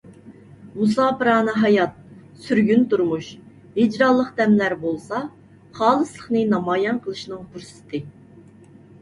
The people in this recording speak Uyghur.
مۇساپىرانە ھايات، سۈرگۈن تۇرمۇش، ھىجرانلىق دەملەر بولسا، خالىسلىقنى نامايان قىلىشنىڭ پۇرسىتى.